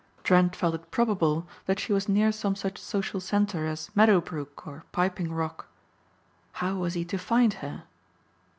Trent felt it probable that she was near some such social center as Meadowbrook or Piping Rock. How was he to find her?